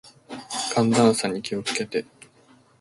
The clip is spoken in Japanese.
寒暖差に気を付けて。